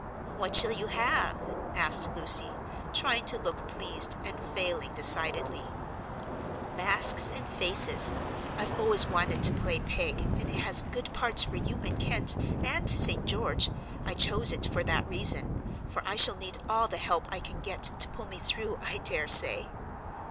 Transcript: "What shall you have?" asked Lucy, trying to look pleased, and failing decidedly. "'Masks and Faces.' I've always wanted to play Peg. and it has good parts for you and Kent, and St. George I chose it for that reason, for I shall need all the help I can get to pull me through, I dare say."